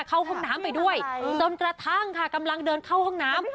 เข้าห้องน้ำไปด้วยจนกระทั่งค่ะกำลังเดินเข้าห้องน้ำ